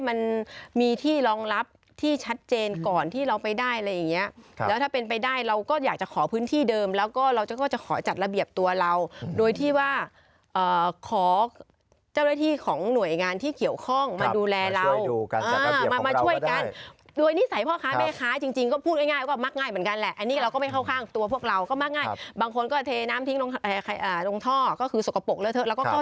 คุณแม่งคุณแม่งคุณแม่งคุณแม่งคุณแม่งคุณแม่งคุณแม่งคุณแม่งคุณแม่งคุณแม่งคุณแม่งคุณแม่งคุณแม่งคุณแม่งคุณแม่งคุณแม่งคุณแม่งคุณแม่งคุณแม่งคุณแม่งคุณแม่งคุณแม่งค